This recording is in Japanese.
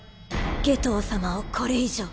夏油様をこれ以上。